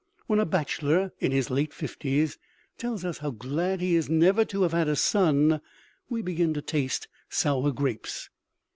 When a bachelor in his late fifties tells us how glad he is never to have had a son, we begin to taste sour grapes.